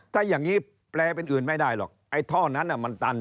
ถ้าอย่างนี้แปลเป็นอื่นไม่ได้หรอกไอ้ท่อนั้นมันตัน